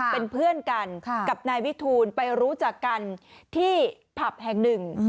เป็นเพื่อนกันกับนายวิทูลไปรู้จักกันที่ผับแห่งหนึ่ง